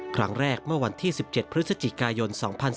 ครั้งแรกเมื่อวันที่๑๗พฤศจิกายน๒๔